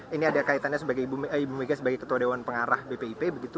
ini ada kaitannya sebagai ketua dewan pengarah bpip